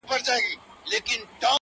• دروازه به د جنت وي راته خلاصه ,